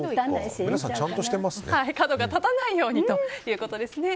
角が立たないようにということですね。